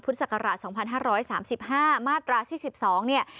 พุทธศักราชสองพันห้าร้อยสามสิบห้ามาตราสี่สิบสองเนี่ย